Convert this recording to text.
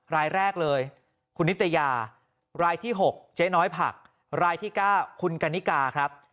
รายแรกเลยคุณนิตยารายที่๖เจ๊น้อยผักรายที่๙คุณกันนิกาครับ